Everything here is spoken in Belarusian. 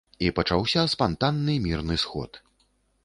І пачаўся спантанны мірны сход.